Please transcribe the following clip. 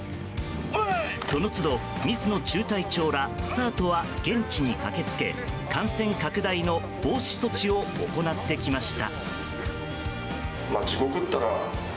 その都度、水野中隊長らＳｅＲＴは現地に駆け付け感染拡大の防止措置を行ってきました。